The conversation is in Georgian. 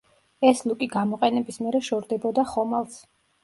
ეს ლუკი გამოყენების მერე შორდებოდა ხომალდს.